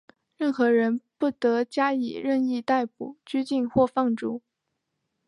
任何人不得加以任意逮捕、拘禁或放逐。